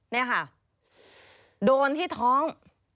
นี่ค่ะโดนที่ท้อง